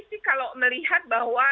sih kalau melihat bahwa